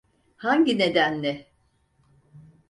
Hangi nedenle?